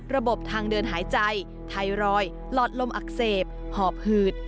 ระบบทางเดินหายใจไทรอยด์หลอดลมอักเสบหอบหืด